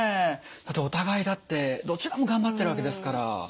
お互いだってどちらもがんばってるわけですから。